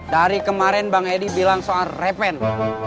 dari kemarin bang edi bilang soal reven